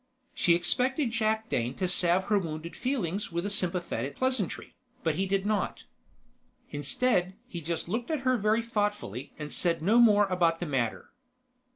She expected Jakdane to salve her wounded feelings with a sympathetic pleasantry, but he did not. Instead, he just looked at her very thoughtfully and said no more about the matter.